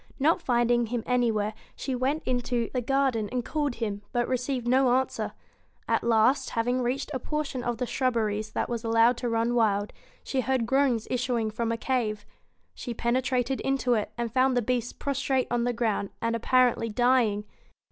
Not finding him anywhere, she went into the 96 garden and called him, but received no At last, having reached a portion of the shrub beries that was allowed to run wild, she heard groans issuing from a cave. She penetrated into it, and found the Beast prostrate on the ground, and apparently dying.